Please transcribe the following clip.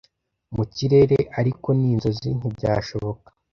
mu kirere ariko ni inzozi ntibyashoboka